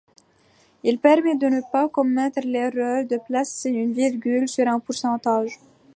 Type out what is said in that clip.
Il permet de ne pas commettre l'erreur de placer une virgule sur un pourcentage.